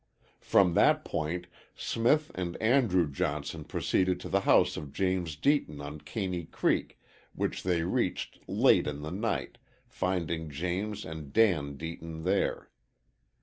From that point Smith and Andrew Johnson proceeded to the house of James Deaton on Caney Creek, which they reached late in the night, finding James and Dan Deaton there.